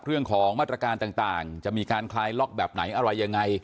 เรื่องของมาตรการต่างจะมีการคลายล็อกแบบไหนอะไรยังไง